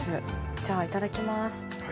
じゃあいただきます。